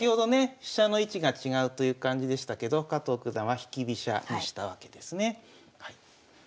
飛車の位置が違うという感じでしたけど加藤九段は引き飛車にしたわけですね。